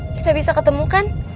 kita bisa ketemu kan